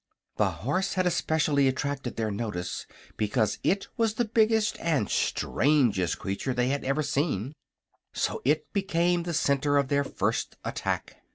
The horse had especially attracted their notice, because it was the biggest and strangest creature they had ever seen; so it became the center of their first attack.